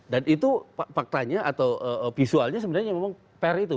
dan itu faktanya atau visualnya sebenarnya memang per itu